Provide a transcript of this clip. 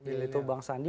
yaitu bang sandi